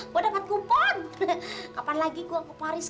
gua dapet kupon kapan lagi gua keparin